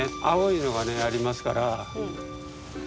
青いのがねありますから。